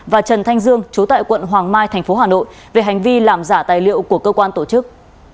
và trần thanh dương chú tại quận hoàng mai tp hà nội về hành vi làm giả tài liệu của cơ quan tổ chức